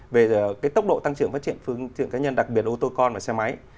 về tốc độ tăng trưởng phương tiện cá nhân đặc biệt ô tô con và xe máy